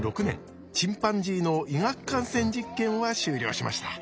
チンパンジーの医学感染実験は終了しました。